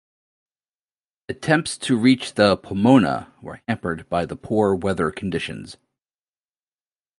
Attempts to reach the "Pomona" were hampered by the poor weather conditions.